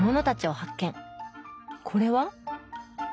これは？